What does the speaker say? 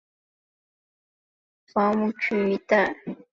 而且自堆填区渗出的臭气于夏天有时更可传至顺利临时房屋区一带。